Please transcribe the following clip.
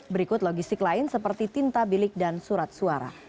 berikut logistik lain seperti tinta bilik dan surat suara